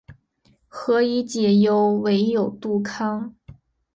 何以解忧，唯有杜康